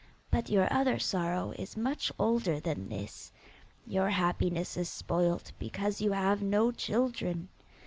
But your other sorrow is much older than this. Your happiness is spoilt because you have no children.